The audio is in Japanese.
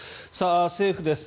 政府です。